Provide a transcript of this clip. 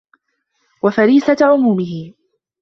وَفَرِيسَةَ غُمُومِهِ